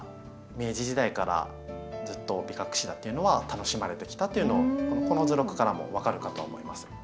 明治時代からずっとビカクシダっていうのは楽しまれてきたっていうのこの図録からも分かるかと思います。